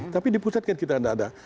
tapi di pusat kan kita tidak ada